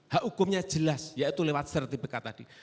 hak hukumnya jelas yaitu lewat sertifikat tadi